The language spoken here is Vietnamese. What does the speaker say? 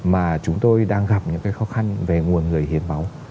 mà chúng tôi đang gặp những cái khó khăn về nguồn người hiến máu